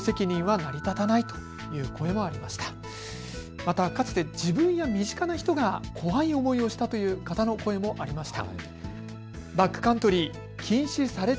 また、かつて自分や身近な人が怖い思いをしたという方の声もありました。